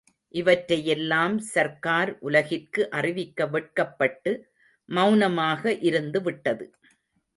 இவற்றையெல்லாம் சர்க்கார் உலகிற்கு அறிவிக்க வெட்கப்பட்டு மெளனமாக இருந்துவிட்டது.